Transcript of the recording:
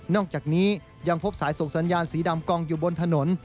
อกจากนี้ยังพบสายส่งสัญญาณสีดำกองอยู่บนถนน